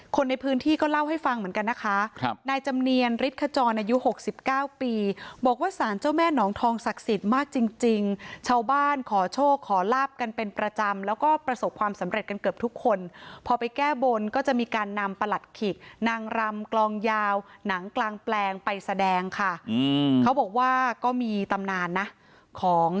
คนในพื้นที่ก็เล่าให้ฟังเหมือนกันนะคะครับนายจำเนียนฤทธจรอายุหกสิบเก้าปีบอกว่าสารเจ้าแม่หนองทองศักดิ์สิทธิ์มากจริงจริงชาวบ้านขอโชคขอลาบกันเป็นประจำแล้วก็ประสบความสำเร็จกันเกือบทุกคนพอไปแก้บนก็จะมีการนำประหลัดขิกนางรำกลองยาวหนังกลางแปลงไปแสดงค่ะอืมเขาบอกว่าก็มีตำนานนะของ